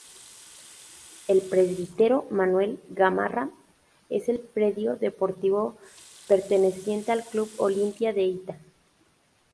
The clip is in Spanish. El Presbítero Manuel Gamarra es el predio deportivo perteneciente al Club Olimpia de Itá.